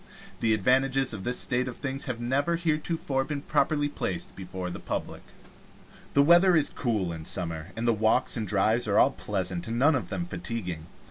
The advantages of this state of things have never heretofore been properly placed before the public. The weather is cool in summer, and the walks and drives are all pleasant and none of them fatiguing.